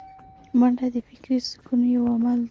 منډه د فکري سکون یو عمل دی